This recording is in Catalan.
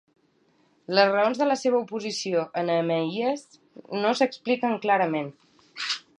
Les raons de la seva oposició a Nehemies no s'expliquen clarament.